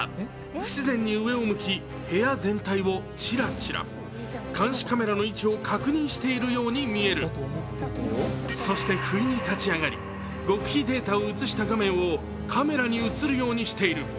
不自然に上を向き、監視カメラの位置を確認しているように見えるそして、ふいに立ち上がり、極秘データを映した場面をカメラに映るようにしている。